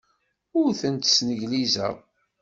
Ur tent-sneglizeɣ.